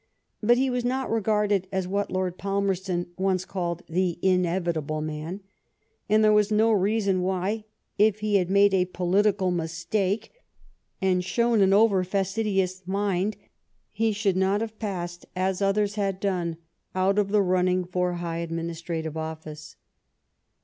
But he was not regarded as what Lord Palmerston once called " the inevitable man "; and there was no reason why, if he had made a political mistake and shown an over fastidious mind, he should not have passed, as others had done, out of the running for high administrative office.